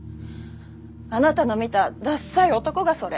あなたの見たダッサイ男がそれ。